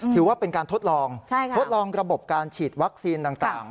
ถือว่าเป็นการทดลองทดลองระบบการฉีดวัคซีนต่าง